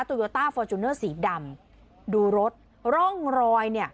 โยต้าฟอร์จูเนอร์สีดำดูรถร่องรอยเนี่ย